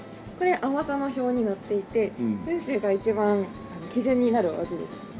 これ甘さの表になっていて温州が一番基準になるお味です。